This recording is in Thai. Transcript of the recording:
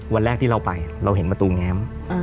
วันแรกที่เราไปเราเห็นประตูแง้ม